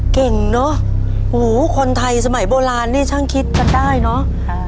เก่งเนอะหูคนไทยสมัยโบราณนี่ช่างคิดกันได้เนอะ